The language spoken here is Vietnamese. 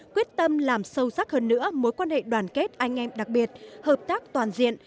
quyết tâm làm sâu sắc hơn nữa mối quan hệ đoàn kết anh em đặc biệt hợp tác toàn diện